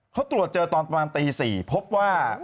เขาตรวจเจอตอนประมาณตี๔พบว่า